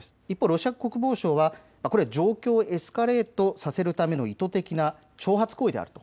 ロシア国防省は状況をエスカレートさせるための意図的な挑発行為である。